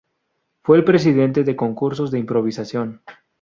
Fue el presidente de concursos de improvisación.